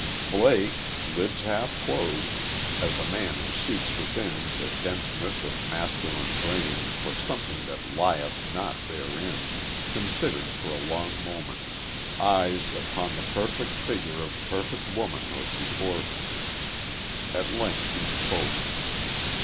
Blake, lids half closed, as a man who seeks within the denseness of masculine brain for something that lieth not therein, considered for a long moment, eyes upon the perfect figure of perfect womanhood before him. At length he spoke.